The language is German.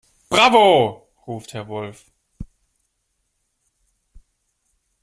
"Bravo!", ruft Herr Wolf.